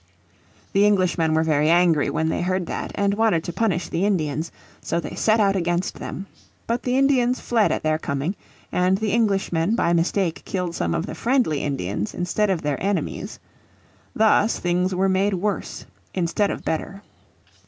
The Englishmen were very angry when they heard that, and wanted to punish the Indians. So they set out against them. But the Indians fled at their coming, and the Englishmen by mistake killed some of the friendly Indians instead of their enemies. Thus things were made worse instead of better.